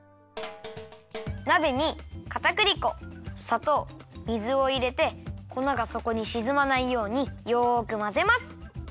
なべにかたくり粉さとう水をいれてこながそこにしずまないようによくまぜます。